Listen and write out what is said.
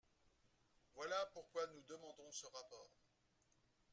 Voilà pourquoi nous demandons ce rapport.